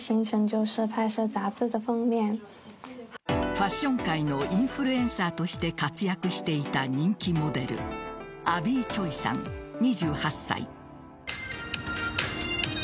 ファッション界のインフルエンサーとして活躍していた人気モデルアビー・チョイさん、２８歳。